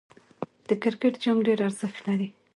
د کرکټ جام ډېر ارزښت لري.